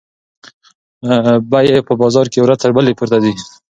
بیې په بازار کې ورځ تر بلې پورته ځي.